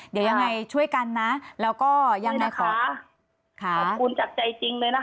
เดี๋ยวอย่างไรช่วยกันนะแล้วก็ยังไงขอขอบคุณจากใจจริง